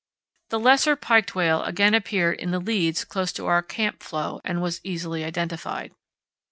The lesser piked whale again appeared in the "leads" close to our "camp" floe, and was easily identified.